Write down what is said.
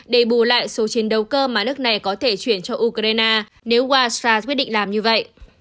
để bù lại số chiến đấu cơ mà nước này có thể chuyển cho ukraine nếu waza quyết định làm như vậy